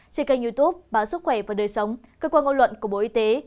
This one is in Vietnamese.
trên kênh youtube báo sức khỏe và đời sống cơ quan ngôn luận của bộ y tế